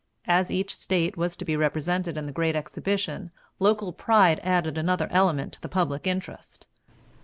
As each State was to be represented in the great exhibition, local pride added another element to the public interest.